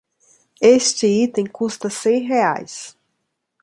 Este item custa cem reais.